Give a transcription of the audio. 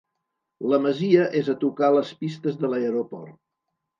La masia és a tocar les pistes de l'aeroport.